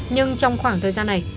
nhưng trong khoảng thời gian này